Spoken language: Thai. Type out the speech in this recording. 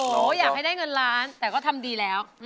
อยากให้ได้เงินล้านแต่ก็ทำดีแล้ว